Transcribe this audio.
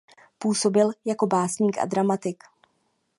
Působil jako básník a dramatik.